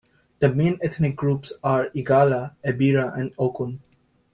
The main ethnic groups are Igala, Ebira, and Okun.